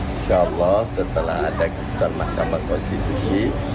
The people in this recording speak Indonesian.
insya allah setelah ada keputusan mahkamah konstitusi